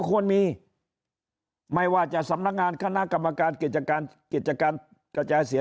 ควรมีไม่ว่าจะสำนักงานคณะกรรมการกิจการกิจการกระจายเสีย